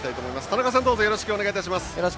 田中さん、どうぞよろしくお願いします。